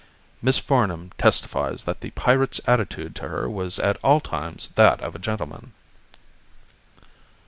'Miss Farnam testifies that the pirate's attitude to her was at all times that of a gentleman.'"